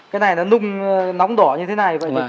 cái này nó nung nóng đỏ như thế này